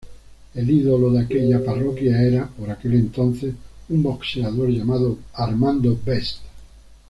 El ídolo de aquella parroquia era, para aquel entonces, un boxeador llamado Armando Best.